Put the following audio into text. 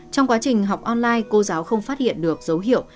trong quá trình học online cô giáo không phát hiện được dấu hiệu